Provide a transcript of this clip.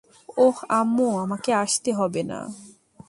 ওহ আম্মু, তোমাকে আসতে হবে না।